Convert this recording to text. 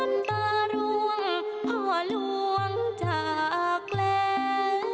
น้ำตารวงพอลวงจากแล้ว